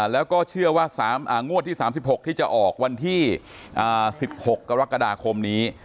แล้วก็เชื่อว่างวดที่๓๖ที่จะออกวันที่๑๖กรกฎาคมนี้